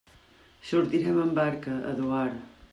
Sortirem amb barca, Eduard.